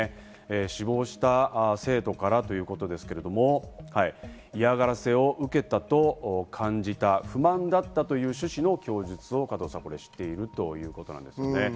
死亡した生徒からということですけれども、嫌がらせを受けたと感じた、不満だったという趣旨の供述をしているということですね。